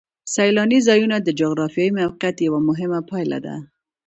سیلاني ځایونه د جغرافیایي موقیعت یوه مهمه پایله ده.